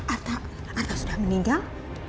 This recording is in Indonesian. artang artang sudah meninggal